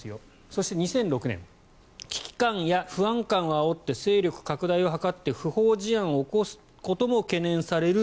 そして２００６年危機感や不安感をあおって勢力拡大を図って不法事案を引き起こすことも懸念される